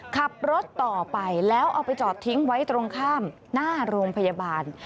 ขับรถต่อไปแล้วเอาไปจอดทิ้งไว้ตรงข้ามหน้าโรงพยาบาล